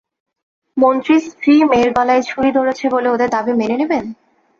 মন্ত্রীর স্ত্রী-মেয়ের গলায় ছুরি ধরেছে বলে ওদের দাবি মেনে নেবেন!